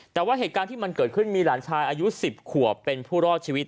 แต่ว่าเหตุการณ์ที่มันเกิดขึ้นมีหลานชายอายุ๑๐ขวบเป็นผู้รอดชีวิต